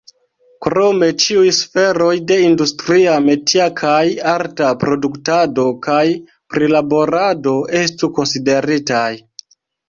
Krome ĉiuj sferoj de industria, metia kaj arta produktado kaj prilaborado estu konsideritaj.